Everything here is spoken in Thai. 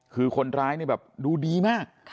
คือคนร้ายเนี่ยแบบดูดีมาก